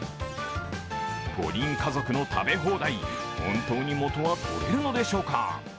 ５人家族の食べ放題、本当に元は取れるのでしょうか。